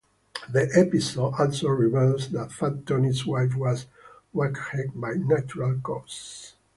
The episode also reveals that Fat Tony's wife was whacked by 'natural causes'.